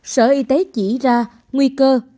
sở y tế chỉ ra nguy cơ